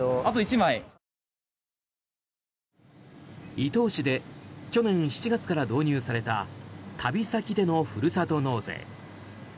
伊東市で去年７月から導入された旅先でのふるさと納税。